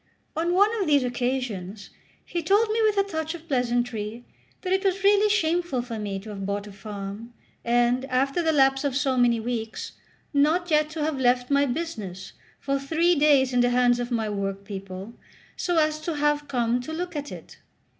On one of these occasions he told me with a touch of pleasantry that it was really shameful for me to have bought a farm, and, after the lapse of so many weeks, not yet to have left my business for three days in the hands of my workpeople, so as to have come to look at it.